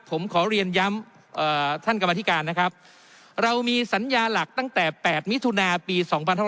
ผมขอเรียนย้ำท่านกรรมธิการนะครับเรามีสัญญาหลักตั้งแต่๘มิถุนาปี๒๕๖๒